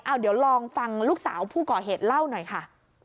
เดี๋ยวลองฟังลูกสาวผู้ก่อเหตุเล่าหน่อยค่ะ